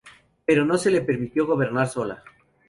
Pero no se le permitió gobernar sola.